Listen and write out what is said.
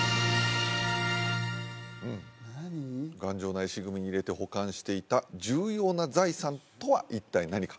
頑丈な石組みに入れて保管していた重要な財産とは一体何か？